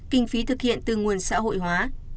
kinh phí thực hiện từ nguồn xã hội hóa